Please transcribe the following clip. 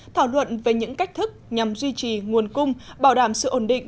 thảo luận về những cách thức nhằm duy trì nguồn cung bảo đảm sự ổn định